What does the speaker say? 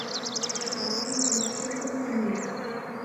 Һин эскесеме ни?